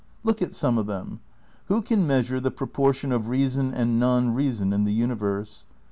Look at some of them. Who can measure the pro portion of reason and non reason in the universe?